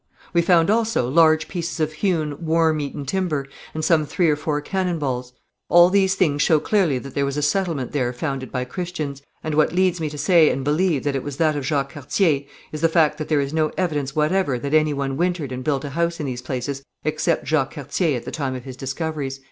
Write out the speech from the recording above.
We found also, large pieces of hewn, worm eaten timber, and some three or four cannon balls. All these things show clearly that there was a settlement there founded by Christians; and what leads me to say and believe that it was that of Jacques Cartier is the fact that there is no evidence whatever that any one wintered and built a house in these places except Jacques Cartier at the time of his discoveries."